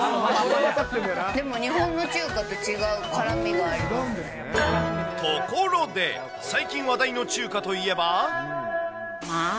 でも、日本の中華と違う辛みがあところで、最近話題の中華といえば。